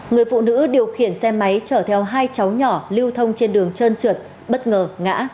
người phụ nữ điều khiển xe máy chở theo hai cháu nhỏ lưu thông trên đường trơn trượt bất ngờ ngã